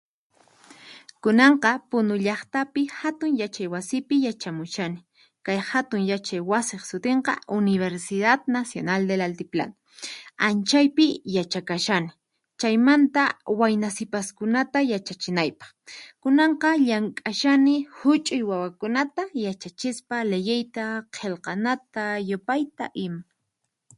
Kunanqa Punu llaqtapi hatun yachay wasipi yachamushani kay hatun yachay wasiq sutinqa Universidad Nacional del Altiplano, anchaypi yachaqashani chaymanta wayna sipaskunata yachachinaypaq. Kunanqa llamk'ashani huch'uy wawakunata yachachispa liyiyta, qillqanata, yupayta ima.